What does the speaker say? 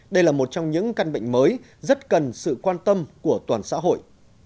đây là một trong những căn bệnh mới rất cần sự quan tâm của toàn xã hội